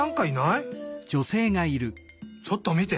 ちょっとみて。